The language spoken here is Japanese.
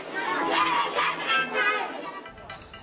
やめてくださーい！